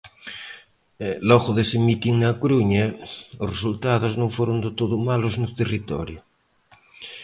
Logo dese mitin na Coruña, os resultados non foron de todo malos no territorio.